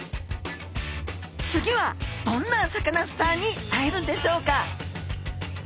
次はどんなサカナスターに会えるんでしょうか。